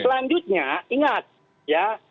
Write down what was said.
selanjutnya ingat ya